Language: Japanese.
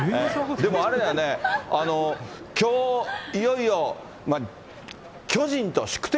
でもあれやね、きょう、いよいよ巨人と、宿敵